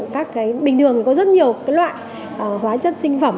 các cái bình thường thì có rất nhiều cái loại hóa chất sinh phẩm